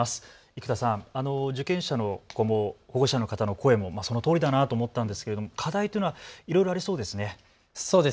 生田さん、受験者のこの保護者の方の声もそのとおりだなと思ったんですけれども課題というのはいろいろありそうですね。